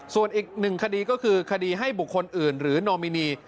ส่วนอีกหนึ่งคดีก็คือคดีให้บุคคลอื่นหรือนอมินี